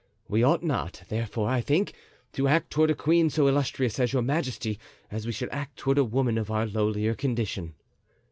We ought not, therefore, I think, to act toward a queen so illustrious as your majesty as we should act toward a woman of our lowlier condition.